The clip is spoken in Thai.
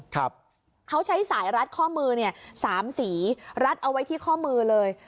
ครับเขาใช้สายรัดข้อมือเนี่ยสามสีรัดเอาไว้ที่ข้อมือเลย